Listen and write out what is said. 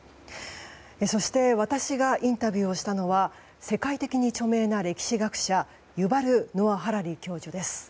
そして私がインタビューをしたのは世界的に著名な歴史学者ユヴァル・ノア・ハラリ教授です。